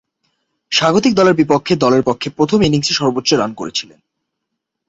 স্বাগতিক দলের বিপক্ষে দলের পক্ষে প্রথম ইনিংসে সর্বোচ্চ রান করেছিলেন।